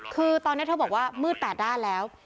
คือตอนนี้เธอบอกว่ามืด๘ด้านแล้ว